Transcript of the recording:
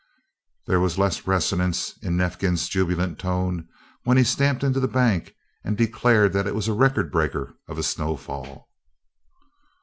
There was less resonance in Neifkins' jubilant tone when he stamped into the bank and declared that it was a record breaker of a snow fall.